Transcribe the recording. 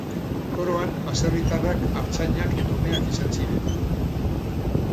Koroan baserritarrak, artzainak eta umeak izan ziren.